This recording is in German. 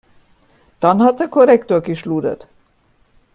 Dann hat der Korrektor geschludert.